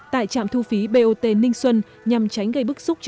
tại trạm thu phí bot ninh xuân nhằm tránh gây bức xúc